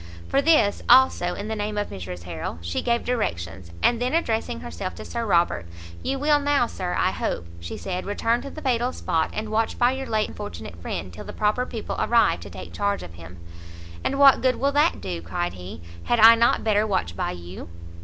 For this, also, in the name of Mrs Harrel, she gave directions. And then addressing herself to Sir Robert, "You will now Sir, I hope," she said, "return to the fatal spot, and watch by your late unfortunate friend till the proper people arrive to take charge of him?" "And what good will that do?" cried he; "had I not better watch by you?"